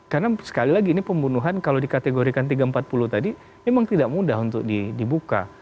karena sekali lagi ini pembunuhan kalau dikategorikan tiga ratus empat puluh tadi memang tidak mudah untuk dibuka